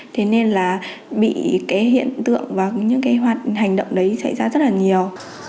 thế nên là bị cái hiện tượng và những cái hoạt hành động đấy xảy ra rất là nhiều